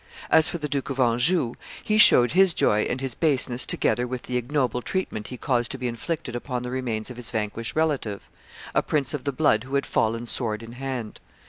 As for the Duke of Anjou, he showed his joy and his baseness together by the ignoble treatment he caused to be inflicted upon the remains of his vanquished relative, a prince of the blood who had fallen sword in hand.